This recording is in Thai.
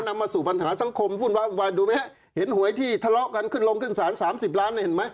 นำมาสู่ปัญหาสังคมวุ่นวายดูไหมฮะเห็นหวยที่ทะเลาะกันขึ้นลงขึ้นสารสามสิบล้านเนี่ยเห็นไหม